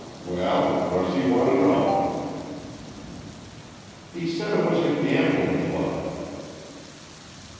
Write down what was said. Well, what does he want to know?" "He said it was a gambling club."